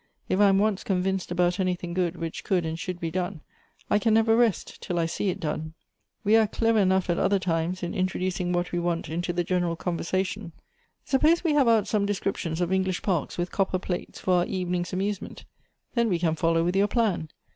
"If I am once convinced about any thing good, which could and should be done, I can never rest till I see it done. We are clever enough at other times in introducing what we want, into the general con versation ; suppose we have out some descriptions of English parks, with copper plates, for our evening's amuse ment. Then we can follow with your plan.